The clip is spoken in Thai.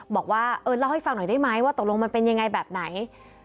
บอกว่าเออเล่าให้ฟังหน่อยได้ไหมว่าตกลงมันเป็นยังไงแบบไหน